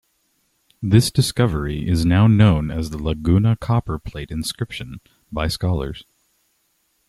This discovery, is now known as the Laguna Copperplate Inscription by scholars.